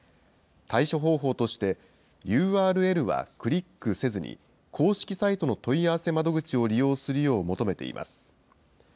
対処方法として、ＵＲＬはクリックせずに、公式サイトの問い合わせ窓口を利用するよう求めています。